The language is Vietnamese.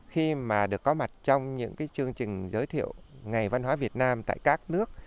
khi mà được có mặt trong những cái chương trình giới thiệu ngày văn hóa việt nam tại các nước